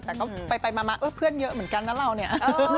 แต่ก็ไปมาเพื่อนเยอะเหมือนกันนะเราเนี่ย